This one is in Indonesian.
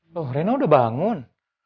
tuh rena udah bangun